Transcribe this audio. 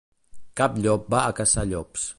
Cap llop va a caçar llops.